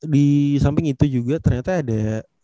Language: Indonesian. di samping itu juga ternyata ada